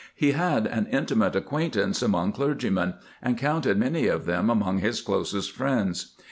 He had an intimate acquain tance among clergymen, and counted many of them among his closest friends.